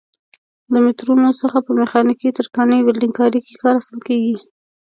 له مترونو څخه په میخانیکي، ترکاڼۍ، ولډنګ کارۍ کې کار اخیستل کېږي.